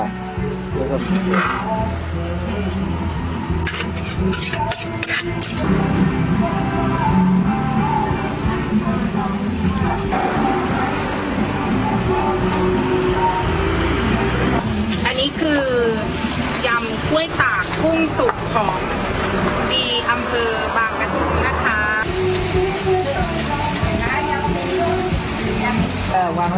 อันนี้คือยำก๋วยตาบพุ่งสุกของบีอำเภอบางกระทุกรภาษา